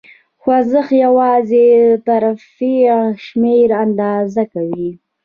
خوځښت یواځې د ترفیع شمېر آندازه کوي.